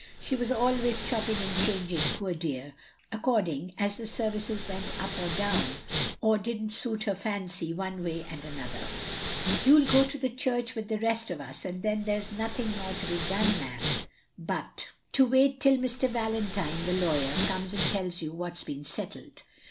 She was always chopping and changing, poor dear, according as the services went up or down — or didn't suit her fancy one way and another. You '11 go to the church with the rest of us, and then there 's nothing more to be done, ma'am, but 6o THE LONELY LADY to wait till Mr. Valentine, the lawyer, comes and tells you what 's been settled.